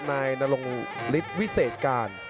นายนรงฤทธิ์วิเศษการ